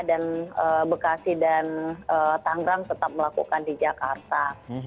dan bekasi dan tanggrang tetap melakukan di jakarta